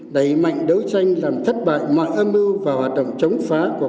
đẩy mạnh đấu tranh làm thất bại mọi âm mưu và hoạt động chống phá của quốc gia